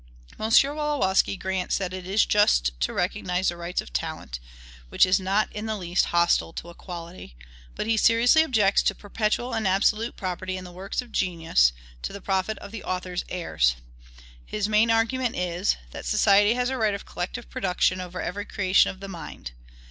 M. Wolowski grants that it is just to recognize the rights of talent (which is not in the least hostile to equality); but he seriously objects to perpetual and absolute property in the works of genius, to the profit of the authors' heirs. His main argument is, that society has a right of collective production over every creation of the mind.